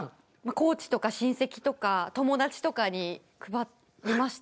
コーチとか親戚とか友達とかに配りました。